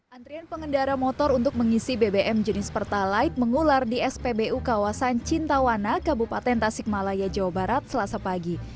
antrian pengendara motor untuk mengisi bbm jenis pertalite mengular di spbu kawasan cintawana kabupaten tasikmalaya jawa barat selasa pagi